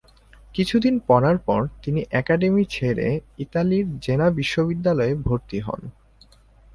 কিছুদিন পড়ার পর তিনি অ্যাকাডেমি ছেড়ে ইতালির জেনা বিশ্ববিদ্যালয়ে ভর্তি হন।